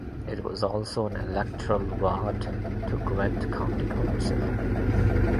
It was also an electoral ward to Gwent County Council.